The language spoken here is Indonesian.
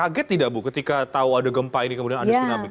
kaget tidak bu ketika tahu ada gempa ini kemudian ada tsunami